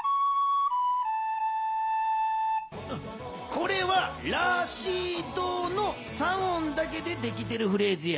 これは「ラシド」の３音だけでできてるフレーズや。